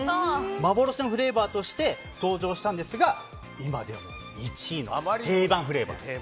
幻のフレーバーとして登場したんですが今でも１位の定番フレーバーです。